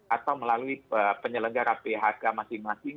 atau melalui penyelenggara phk masing masing